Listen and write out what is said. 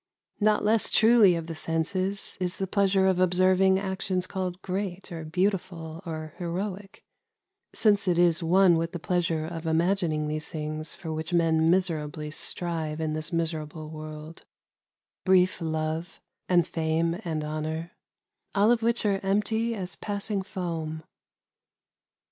Not less truly of the senses is the pleasure of observing actions called great or beautiful or heroic, — since it is one with the pleasure of imagining those things for which men miserably strive in this miserable world : brief love and fame and honor, — all of which are empty as passing foam.